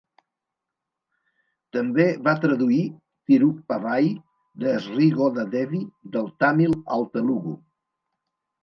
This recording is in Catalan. També va traduir Tiruppavai de Sri Goda Devi del tàmil al telugu.